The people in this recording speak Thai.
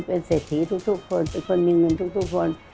เป็นเศรษฐีทุกคนอีกคนมีเงินทุกคน